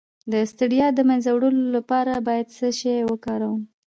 د ستړیا د مینځلو لپاره باید څه شی وکاروم؟